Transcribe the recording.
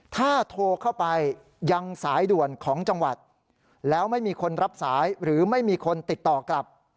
ถ้าโทรเข้าไปยังสายด่วนของจังหวัดแล้วไม่มีคนรับสายหรือไม่มีคนติดต่อกลับ